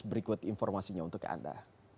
berikut informasinya untuk anda